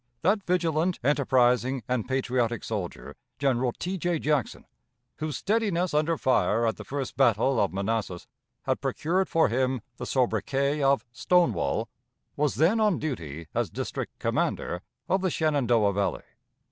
That vigilant, enterprising, and patriotic soldier, General T. J. Jackson, whose steadiness under fire at the first battle of Manassas had procured for him the sobriquet of "Stonewall," was then on duty as district commander of the Shenandoah Valley.